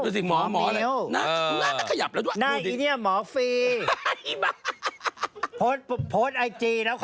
เธอบอกว่าพี่ดูถูก